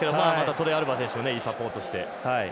トレアルバ選手もいいサポートをして。